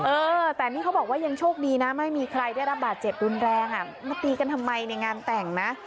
เออแต่นี่เขาบอกว่ายังโชคดีนะไม่มีใครได้รับบาดเจ็บรุนแรงอ่ะมาตีกันทำไมในงานแต่งนะ